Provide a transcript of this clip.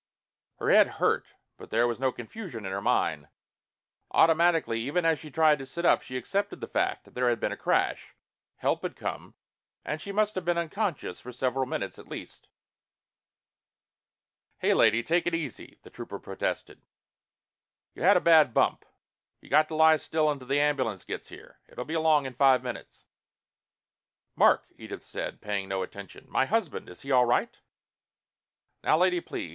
Her head hurt but there was no confusion in her mind. Automatically, even as she tried to sit up, she accepted the fact that there had been a crash, help had come, and she must have been unconscious for several minutes at least. "Hey, lady, take it easy!" the Trooper protested. "You had a bad bump. You got to lie still until the ambulance gets here. It'll be along in five minutes." "Mark," Edith said, paying no attention. "My husband! Is he all right?" "Now lady, please.